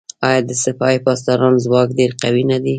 آیا د سپاه پاسداران ځواک ډیر قوي نه دی؟